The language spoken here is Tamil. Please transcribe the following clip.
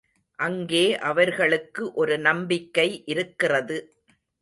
அங்கே அவர்களுக்கு ஒரு நம்பிக்கை இருக்கிறது.